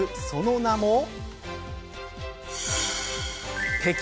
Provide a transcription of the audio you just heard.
その名も。